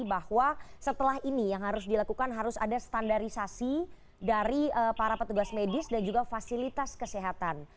bahwa setelah ini yang harus dilakukan harus ada standarisasi dari para petugas medis dan juga fasilitas kesehatan